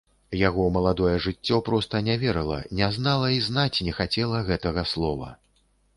Яго маладое жыццё проста не верыла, не знала і знаць не хацела гэтага слова.